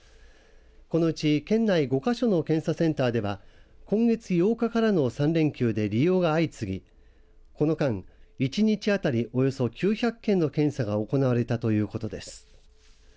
このうち、県内５か所の検査センターでは今月８日からの３連休で利用が相次ぎこの間、１日あたりおよそ９００件の検査が行われたということです。